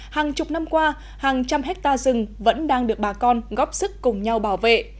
hàng chục năm qua hàng trăm hectare rừng vẫn đang được bà con góp sức cùng nhau bảo vệ